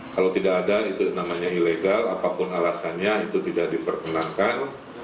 kalau tidak ada itu namanya ilegal apapun alasannya itu tidak diperkenankan